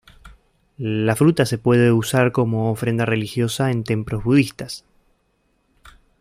La fruta se puede usar como ofrenda religiosa en templos budistas.